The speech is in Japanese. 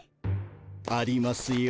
ありますよ。